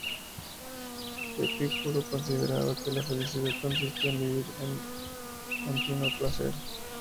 Epicuro consideraba que la felicidad consiste en vivir en continuo placer.